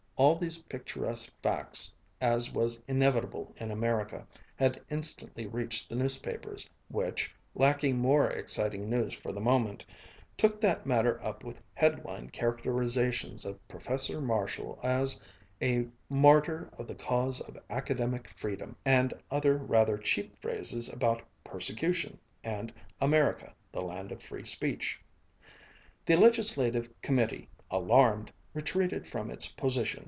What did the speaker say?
All these picturesque facts, as was inevitable in America, had instantly reached the newspapers, which, lacking more exciting news for the moment, took that matter up with headlined characterizations of Professor Marshall as a "martyr of the cause of academic freedom," and other rather cheap phrases about "persecution" and "America, the land of free speech." The legislative committee, alarmed, retreated from its position.